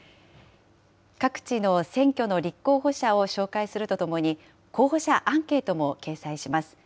各地の選挙の立候補者を紹介するとともに、候補者アンケートも掲載します。